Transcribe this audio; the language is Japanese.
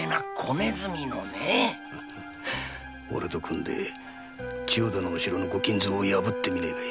おれと組んで千代田のお城の御金蔵を破ってみねえかい？